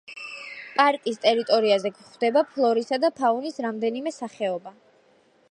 პარკის ტერიტორიაზე გვხვდება ფლორისა და ფაუნის რამდენიმე სახეობა.